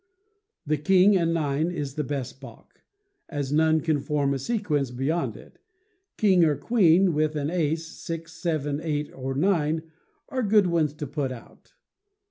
A king and a nine is the best baulk, as none can form a sequence beyond it; king or queen, with an ace, six, seven, eight, or nine, are good ones to put out.